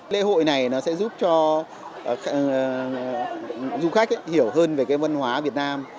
lễ hội này sẽ giúp cho du khách hiểu hơn về văn hóa việt nam